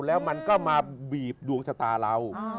แล้วมันก็มาบีบดวงชะตาเรา